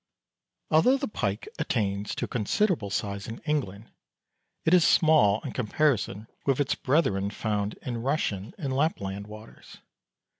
Although the pike attains to a considerable size in England, it is small in comparison with its brethren found in Russian and Lapland waters.